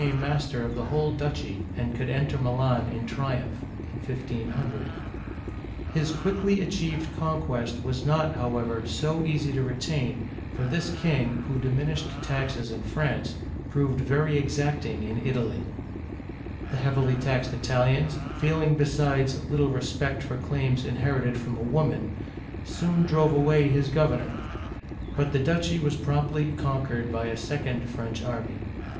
o OLD FRANCE master of the whole duchy, and could enter Milan in triumph ( 1 500) His quickly achieved conquest was not, however, so easy to retain, for this king, who diminished taxes in France, proved very exacting in Italy. The heavily taxed Draining by Du aemane. Bayard holding the Bridge. Italians, feeling besides little respect for claims inherited from a woman, soon drove away his governor; but the duchy was promptly conquered by a second French army.